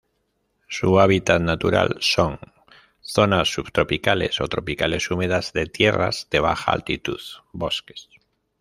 Su hábitat natural son:zonas subtropicales o tropicales húmedas de tierras de baja altitud bosques.